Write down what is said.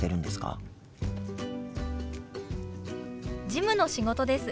事務の仕事です。